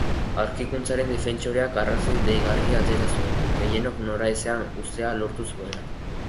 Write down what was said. Aurkikuntzaren defentsoreak arrazoi deigarria atera zuen, gehienok noraezean uztea lortu zuena.